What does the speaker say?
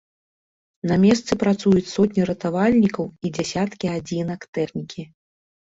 На месцы працуюць сотні ратавальнікаў і дзясяткі адзінак тэхнікі.